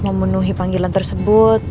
memenuhi panggilan tersebut